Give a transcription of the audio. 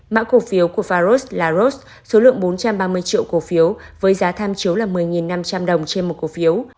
mã cổ phiếu của faros là ros số lượng bốn trăm ba mươi triệu cổ phiếu với giá tham chiếu là một mươi năm trăm linh đồng trên một cổ phiếu